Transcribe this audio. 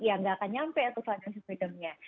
ya nggak akan nyampe tuh financial freedomnya